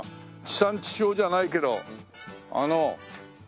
地産地消じゃないけどあの畑が。